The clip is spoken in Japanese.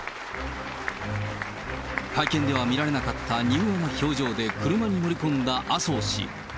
会見では見られなかった柔和な表情で車に乗り込んだ麻生氏。